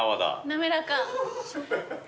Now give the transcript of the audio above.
滑らか。